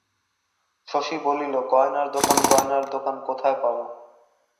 শশী বলিল, গয়নার দোকান গয়নার দোকান কোথায় পাব?